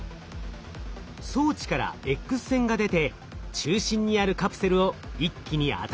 装置からＸ線が出て中心にあるカプセルを一気に温めます。